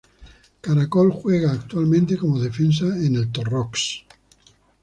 Caracol juega actualmente como defensa en el Torrox.